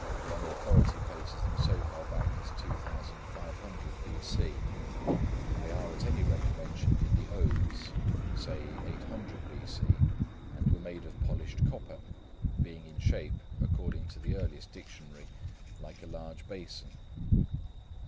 One authority places them so far back as 2500 B.C. They are at any rate mentioned in the Odes, say 800 B.C., and were made of polished copper, being in shape, according to the earliest dictionary, like a large basin.